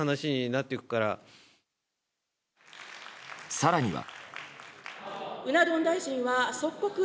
更には。